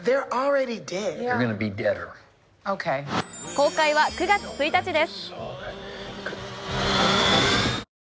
公開は９月１日です。